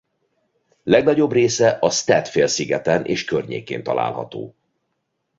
Legnagyobb része a Stad-félszigeten és környékén található.